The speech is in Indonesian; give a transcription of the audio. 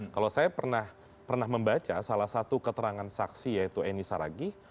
kalau saya pernah membaca salah satu keterangan saksi yaitu eni saragih